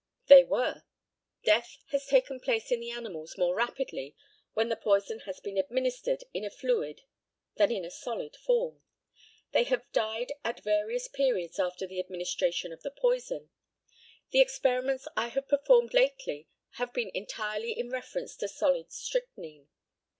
They were. Death has taken place in the animals more rapidly when the poison has been administered in a fluid than in a solid form. They have died at various periods after the administration of the poison. The experiments I have performed lately have been entirely in reference to solid strychnine.